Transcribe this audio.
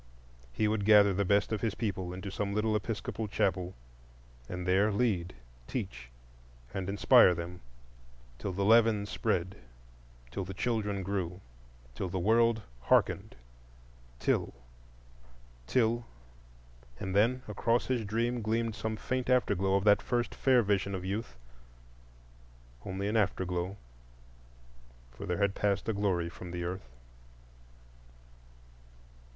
He would gather the best of his people into some little Episcopal chapel and there lead, teach, and inspire them, till the leaven spread, till the children grew, till the world hearkened, till—till—and then across his dream gleamed some faint after glow of that first fair vision of youth—only an after glow, for there had passed a glory from the earth.